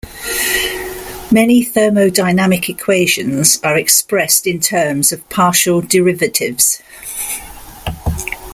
Many thermodynamic equations are expressed in terms of partial derivatives.